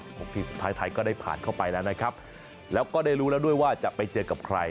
หกทีมสุดท้ายไทยก็ได้ผ่านเข้าไปแล้วนะครับแล้วก็ได้รู้แล้วด้วยว่าจะไปเจอกับใคร